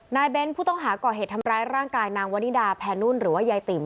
เบ้นผู้ต้องหาก่อเหตุทำร้ายร่างกายนางวนิดาแพนุ่นหรือว่ายายติ๋ม